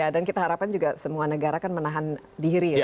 dan kita harapkan juga semua negara kan menahan diri